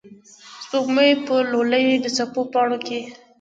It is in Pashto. سپوږمۍ به لولي د څپو پاڼو کې